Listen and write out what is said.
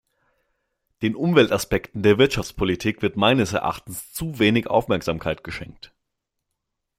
Den Umweltaspekten der Wirtschaftspolitik wird meines Erachtens zu wenig Aufmerksamkeit geschenkt.